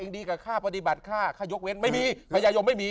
เอิ่งดีกับข้าข้าปฏิบัติข้าข้ายกเว้นพญายงไม่มี